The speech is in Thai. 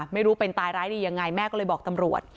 ไม่รู้เป็นตายร้ายดียังไงแม่ก็เลยบอกตำรวจ